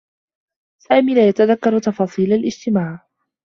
سامي لا يتذكّر تفاصيل الاجتماع.